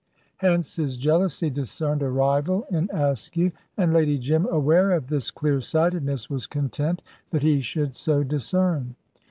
Hence his jealousy discerned a rival in Askew, and Lady Jim aware of this clear sightedness was content that he should so discern.